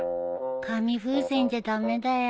紙風船じゃ駄目だよ。